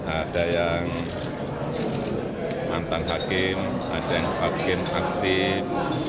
ada yang mantan hakim ada yang hakim aktif